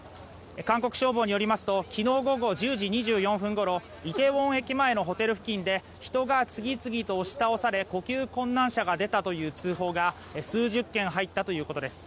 韓国消防によりますと昨日午後１０時２４分ごろイテウォン駅前のホテル付近で人が次々と押し倒され呼吸困難者が出たという通報が数十件入ったということです。